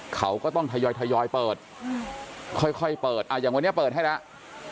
เขาก็ต้องทยอยทยอยเปิดค่อยเปิดอย่างวันนี้เปิดให้แล้ว